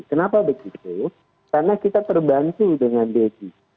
kenapa begitu karena kita terbantu dengan deddy